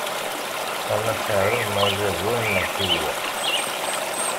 Qqaren-as aɛrur neɣ azagur neɣ tiwwa.